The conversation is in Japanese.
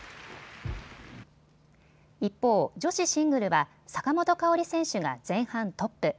一方、女子シングルは坂本花織選手が前半トップ。